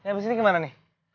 ya abis ini kemana nih